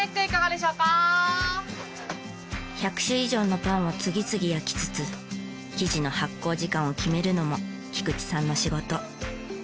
１００種以上のパンを次々焼きつつ生地の発酵時間を決めるのも菊池さんの仕事。